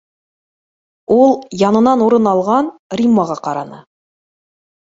— Ул янынан урын алған Риммаға ҡараны